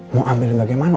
mau ambilnya bagaimana